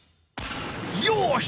よし！